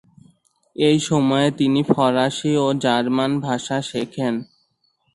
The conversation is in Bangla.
এই সময়ে তিনি ফরাসি ও জার্মান ভাষা শেখেন।